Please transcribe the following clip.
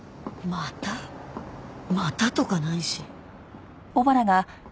またとかないし。